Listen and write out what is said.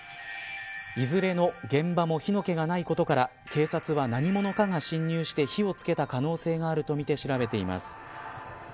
いずれの現場も火の気がないことから警察は何者かが侵入して火をつけた可能性があるとみて調べています。